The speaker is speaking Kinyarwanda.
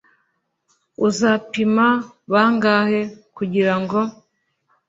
uzapima bangahe?kugirango